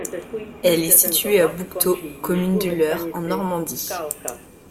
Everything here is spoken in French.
Elle est située à Bouquetot, commune de l’Eure en Normandie.